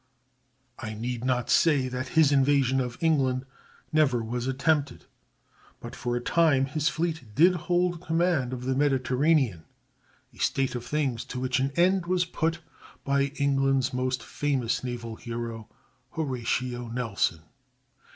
I need not say that his invasion of England never was even attempted; but for a time his fleet did hold command of the Mediterranean—a state of things to which an end was put by England's most famous naval hero, Horatio Nelson.